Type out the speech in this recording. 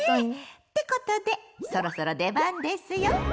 ってことでそろそろ出番ですよチャボさん！